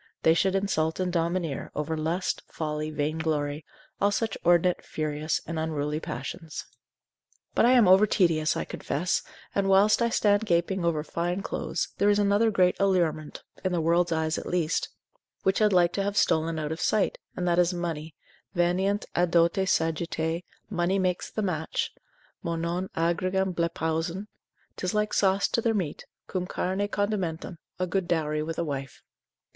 they should insult and domineer over lust, folly, vainglory, all such inordinate, furious and unruly passions. But I am over tedious, I confess, and whilst I stand gaping after fine clothes, there is another great allurement, (in the world's eye at least) which had like to have stolen out of sight, and that is money, veniunt a dote sagittae, money makes the match; Μονὸν ἄργυρον βλέπουσιν: 'tis like sauce to their meat, cum carne condimentum, a good dowry with a wife.